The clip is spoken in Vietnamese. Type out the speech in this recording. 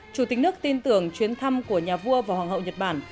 chủ tịch nước tin tưởng chuyến thăm của nhà vua và hoàng hậu nhật bản